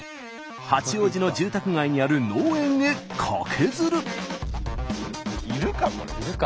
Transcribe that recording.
八王子の住宅街にある農園へカケズる。